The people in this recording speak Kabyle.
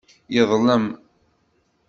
Yeḍlem.